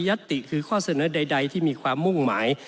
ติคือข้อเสนอใดที่มีความมุ่งหมาย